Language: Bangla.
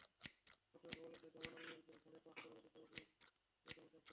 কর্তৃপক্ষ বলছে, দাবানল নিয়ন্ত্রণে সাড়ে পাঁচ হাজারেরও বেশি অগ্নিনির্বাপণকর্মী কাজ করছেন।